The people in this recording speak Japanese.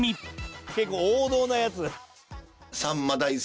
結構王道なやつ。